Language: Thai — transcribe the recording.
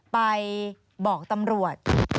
ไปบอกตำรวจ